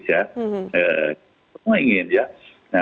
semua ingin ya